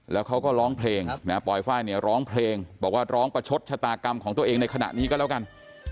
แล้วเขาก็ร้องเพลงนะปล่อยไฟล์เนี่ยร้องเพลงบอกว่าร้องประชดชะตากรรมของตัวเองในขณะนี้ก็แล้วกัน